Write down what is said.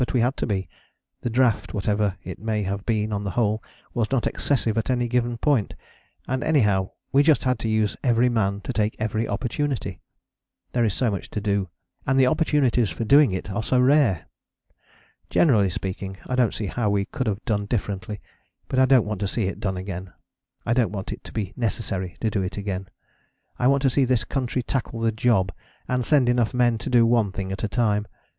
But we had to be: the draft, whatever it may have been on the whole, was not excessive at any given point; and anyhow we just had to use every man to take every opportunity. There is so much to do, and the opportunities for doing it are so rare. Generally speaking, I don't see how we could have done differently, but I don't want to see it done again; I don't want it to be necessary to do it again. I want to see this country tackle the job, and send enough men to do one thing at a time.